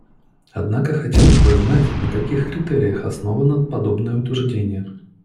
Однако хотелось бы знать, на каких критериях основано подобное утверждение.